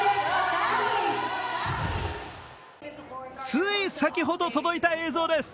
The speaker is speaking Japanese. つい先ほど届いた映像です。